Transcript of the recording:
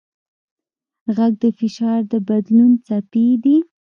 غږ د فشار د بدلون څپې دي.